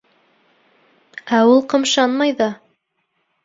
Ә ул ҡымшанмай ҙа.